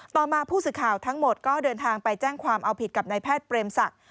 ต่อมาผู้สื่อข่าวทั้งหมดก็เดินทางไปแจ้งความเอาผิดกับนายแพทย์เปรมศักดิ์